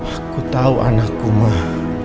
aku tau anakku mah